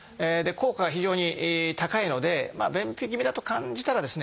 効果が非常に高いので便秘気味だと感じたらですね